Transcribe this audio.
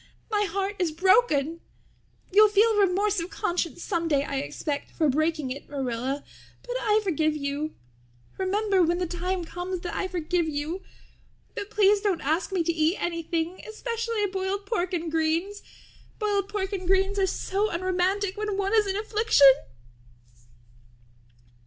My heart is broken. You'll feel remorse of conscience someday, I expect, for breaking it, Marilla, but I forgive you. Remember when the time comes that I forgive you. But please don't ask me to eat anything, especially boiled pork and greens. Boiled pork and greens are so unromantic when one is in affliction."